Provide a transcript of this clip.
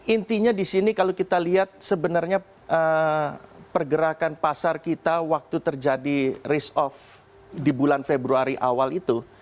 intinya di sini kalau kita lihat sebenarnya pergerakan pasar kita waktu terjadi risk off di bulan februari awal itu